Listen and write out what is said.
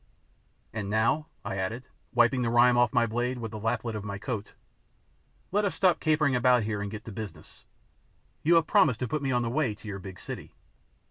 "And now," I added, wiping the rime off my blade with the lappet of my coat, "let us stop capering about here and get to business. You have promised to put me on the way to your big city."